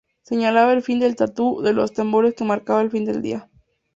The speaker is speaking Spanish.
Señalaba el final del "tattoo" de los tambores que marcaba el fin de día.